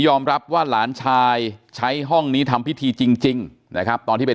รับว่าหลานชายใช้ห้องนี้ทำพิธีจริงนะครับตอนที่ไป